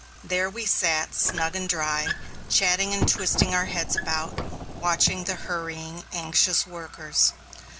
There we sat snug and dry, chatting and twisting our heads about, watching the hurrying, anxious workers.